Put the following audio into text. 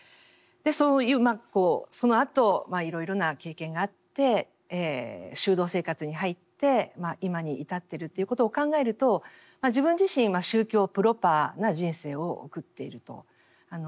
そういうそのあといろいろな経験があって修道生活に入って今に至ってるということを考えると自分自身宗教プロパーな人生を送っていると言えると思います。